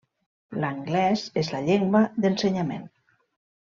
L'anglès és la llengua d'ensenyament.